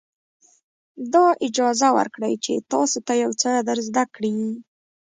دا اجازه ورکړئ چې تاسو ته یو څه در زده کړي.